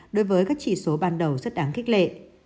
đối với các chỉ số ban đầu rất đáng khích lệ